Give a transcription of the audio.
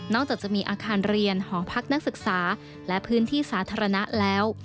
จากจะมีอาคารเรียนหอพักนักศึกษาและพื้นที่สาธารณะแล้ว